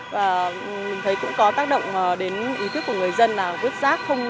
và mình thấy cũng có tác động đến ý thức của người dân là bước rác không